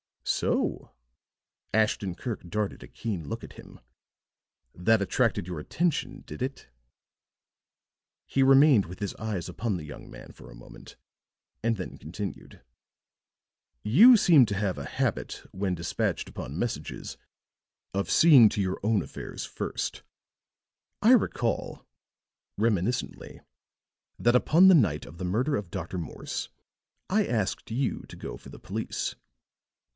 "So!" Ashton Kirk darted a keen look at him. "That attracted your attention, did it?" He remained with his eyes upon the young man for a moment, and then continued: "You seem to have a habit, when dispatched upon messages, of seeing to your own affairs first I recall," reminiscently, "that upon the night of the murder of Dr. Morse I asked you to go for the police."